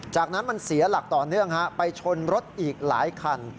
จากนั้นมันเสียหลักต่อเนื่องไปชนรถอีกหลายคัน